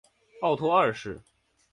奥托二世。